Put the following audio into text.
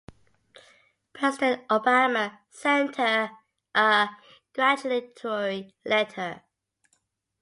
President Obama sent her a congratulatory letter.